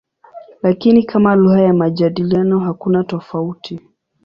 Lakini kama lugha ya majadiliano hakuna tofauti.